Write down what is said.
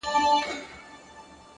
مهرباني د سختو حالاتو نرموونکې ده.